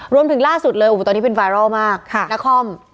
รวมถึงล่าสุดเลยอู๋ตอนนี้เป็นไฟรอลมากค่ะนาคอม